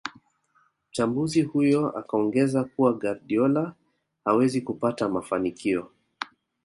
Mchambuzi huyo akaongeza kuwa Guardiola hawezi kupata mafanikio